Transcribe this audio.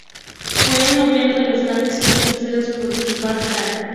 Fue el noveno de los grandes sitios sufridos por Gibraltar.